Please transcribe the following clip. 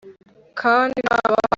Kandi nabaha amazina yabo